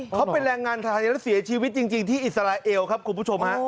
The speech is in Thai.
เขาเป็นแรงงานไทยแล้วเสียชีวิตจริงที่อิสราเอลครับคุณผู้ชมฮะ